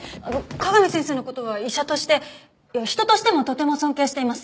香美先生の事は医者として人としてもとても尊敬しています。